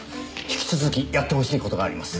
引き続きやってほしい事があります。